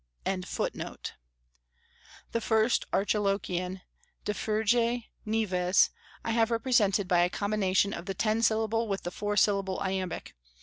] The First Archilochian, "Diffugere nives," I have represented by a combination of the ten syllable with the four syllable iambic.